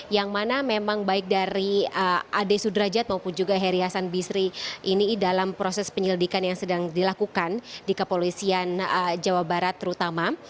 yang mana memang baik dari ade sudrajat maupun juga heri hasan bisri ini dalam proses penyelidikan yang sedang dilakukan di kepolisian jawa barat terutama